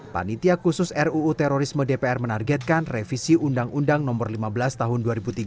panitia khusus ruu terorisme dpr menargetkan revisi undang undang no lima belas tahun dua ribu tiga belas